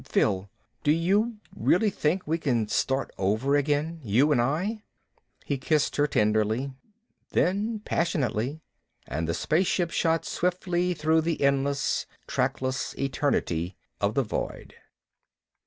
"Phil ... do you really think we can start over again you and I?" He kissed her tenderly, then passionately. And the spaceship shot swiftly through the endless, trackless eternity of the void....